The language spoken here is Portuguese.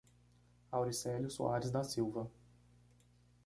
Auricelio Soares da Silva